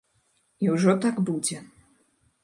І ўжо так будзе.